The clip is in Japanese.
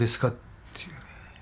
っていうね。